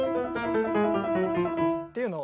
っていうのを。